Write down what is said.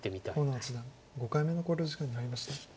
河野八段５回目の考慮時間に入りました。